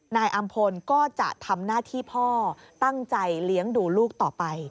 นายอำพลก็จะทำหน้าที่พ่อตั้งใจเลี้ยงดูลูกต่อไป